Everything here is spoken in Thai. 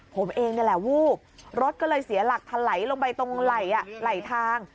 ผมเองนี่แหละวูบรถก็เลยเสียหลักทะไหลลงไปตรงไหลทาง